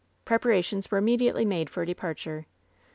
Preparations were immediately made for departure.